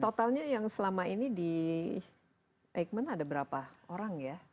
totalnya yang selama ini di eijkman ada berapa orang ya